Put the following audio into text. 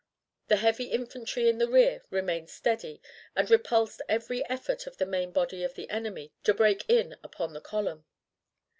The heavy infantry in the rear remained steady, and repulsed every effort of the main body of the enemy to break in upon the column.